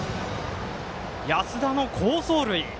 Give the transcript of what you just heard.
安田も好走塁。